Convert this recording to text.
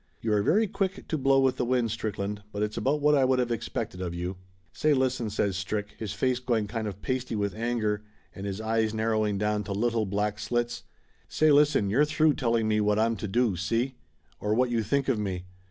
"You are very quick to blow with the wind, Strickland, but it's about what I would have expected of you." "Say, listen," says Strick, his face going kind of pasty with anger, and his eyes narrowing down to Laughter Limited 255 little black slits "say listen, you're through telling me what I'm to do, see? Or what you think of me.